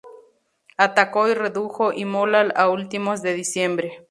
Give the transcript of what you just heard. Atacó y redujo Imola a últimos de diciembre.